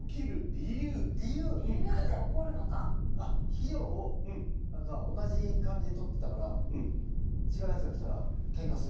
肥料をなんか同じ感じでとってたから違うやつが来たらケンカする。